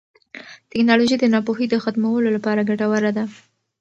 ټیکنالوژي د ناپوهۍ د ختمولو لپاره ګټوره ده.